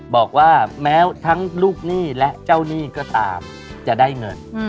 บอกว่าแม้ทั้งลูกหนี้และเจ้าหนี้ก็ตามจะได้เงิน